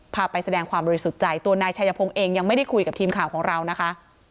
พาไปแสดงความบริสุทธิ์ใจตัวนายชายพงศ์เองยังไม่ได้คุยกับทีมข่าวของเรานะคะ